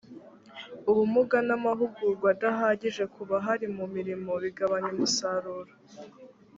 ubumuga n’ amahugurwa adahagije ku bahari mu milimo bigabanya umusaruro